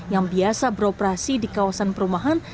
yang biasa beroperasi di kawasan perumahan